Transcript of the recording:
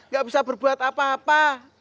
gak bisa berbuat apa apa